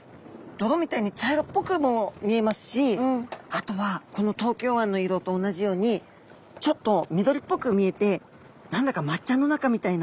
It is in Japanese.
泥みたいに茶色っぽくも見えますしあとはこの東京湾の色と同じようにちょっと緑っぽく見えて何だか抹茶の中みたいな。